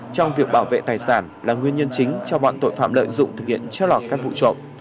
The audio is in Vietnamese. trong việc bảo vệ tài sản là nguyên nhân chính cho bọn tội phạm lợi dụng thực hiện trót lọt các vụ trộm